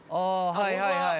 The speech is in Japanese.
はいはいはい。